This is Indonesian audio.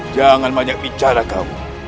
jangan banyak bicara kamu